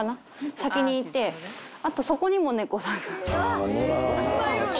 先にいて、あとそこにも猫さんが。